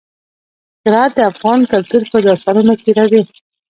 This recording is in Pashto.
زراعت د افغان کلتور په داستانونو کې راځي.